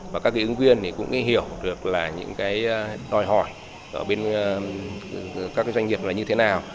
và các ứng viên cũng hiểu được những đòi hỏi ở bên các doanh nghiệp là như thế nào